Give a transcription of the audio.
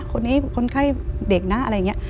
คนนี้คนไข้เด็กนะอะไรอย่างนี้